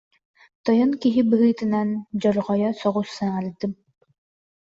«тойон» киһи быһыытынан, дьорҕойо соҕус саҥардым